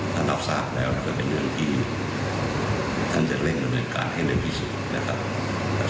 ท่านรับทราบแล้วนะครับเป็นเรื่องที่ท่านจะเร่งกับเนื้อการให้เรียนที่สุดนะครับ